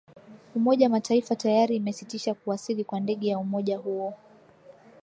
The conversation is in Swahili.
umoja mataifa tayari imesitisha kuwasili kwa ndege ya umoja huo